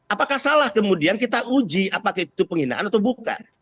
apakah salah kemudian kita uji apakah itu penghinaan atau bukan